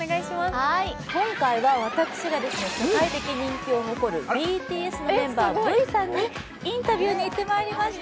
今回は私が世界的人気を誇るＢＴＳのメンバー・Ｖさんにインタビューに行ってまいりました。